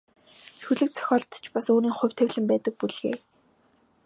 Шүлэг зохиолд ч бас өөрийн хувь тавилан байдаг бүлгээ.